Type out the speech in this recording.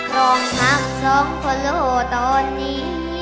โรงพักสองคนโลตอนนี้